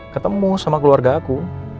ketemu sama keluarga aku